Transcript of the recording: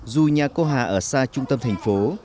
dù nhà cô hà ở xa trung tâm thành phố